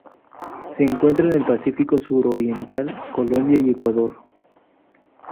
Se encuentra en el Pacífico suroriental: Colombia y Ecuador.